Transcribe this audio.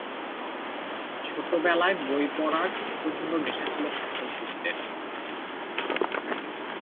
ছেলেবেলায় বই পড়ার প্রচন্ড নেশা ছিল সন্তোষ গুপ্তের।